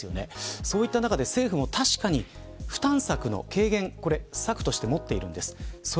そういった中で、政府も確かに負担策の軽減として持っています。